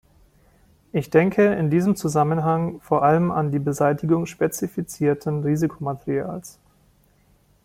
Ich denke in diesem Zusammenhang vor allem an die Beseitigung spezifizierten Risikomaterials.